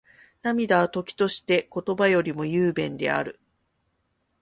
涙は、時として言葉よりも雄弁である。